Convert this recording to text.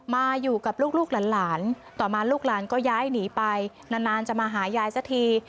มาอยู่กับลูกหลานต่อมาลูกหลานก็ย้ายหนีไปนานจะมาหายายสักที